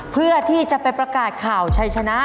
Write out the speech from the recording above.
เพื่อที่จะไปประกาศข่าวชัยชนะ